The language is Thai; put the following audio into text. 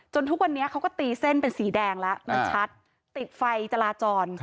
ทุกวันนี้เขาก็ตีเส้นเป็นสีแดงแล้วมันชัดติดไฟจราจร